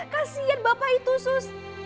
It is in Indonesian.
kasian bapak itu sus